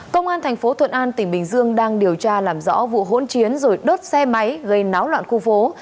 công an thành phố thuận an tỉnh bình dương đang điều tra làm rõ vụ hỗn chiến rồi đốt xe máy gây náo loạn khu phố